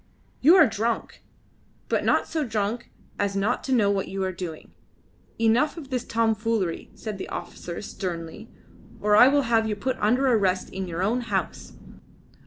"You are drunk, but not so drunk as not to know what you are doing. Enough of this tomfoolery," said the officer sternly, "or I will have you put under arrest in your own house."